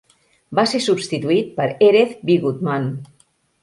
Va ser substituït per Erez Vigodman.